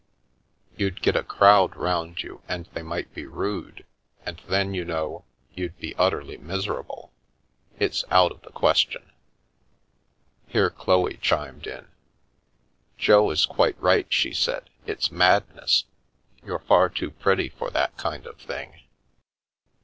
You'd get a crowd round you and they might be rude, and then you know, you'd be utterly miserable. It's out of the question." Here Chloe chimed in. " Jo is quite right," she said, " it's madness. You're far too pretty for that kind of thing."